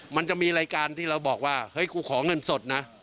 มันจะมีรายการที่เราบอกว่าเฮ้ยกูขอเงินสดนะ